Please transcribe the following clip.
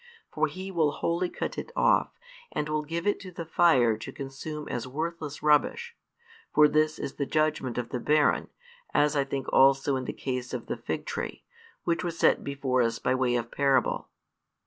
For He will wholly cut it off, and will give it to the fire to consume as worthless rubbish; for this is the judgment of the barren, as I think also in the case of the fig tree, which was set before us by way of parable.